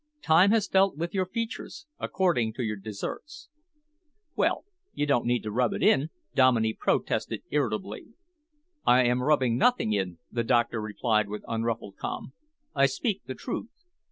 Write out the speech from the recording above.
Time has dealt with your features according to your deserts." "Well, you needn't rub it in," Dominey protested irritably. "I am rubbing nothing in," the doctor replied with unruffled calm. "I speak the truth.